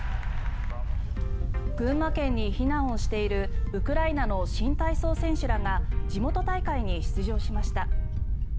群馬県に避難をしているウクライナの新体操選手らが地元大会に出場しました。